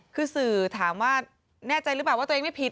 คือสื่อถามว่าแน่ใจหรือเปล่าว่าตัวเองไม่ผิด